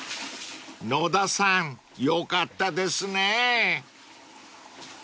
［野田さんよかったですね］